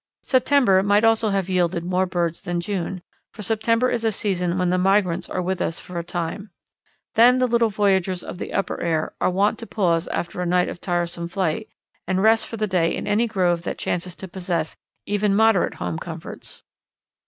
September might also have yielded more birds than June, for September is a season when the migrants are with us for a time. Then the little voyageurs of the upper air are wont to pause after a night of tiresome flight, and rest for the day in any grove that chances to possess even moderate home comforts.